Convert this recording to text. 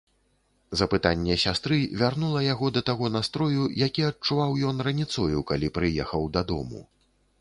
Запытанне сястры вярнула яго да таго настрою, які адчуваў ён раніцою, калі прыехаў дадому.